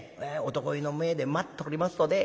男湯の前で待っておりますとね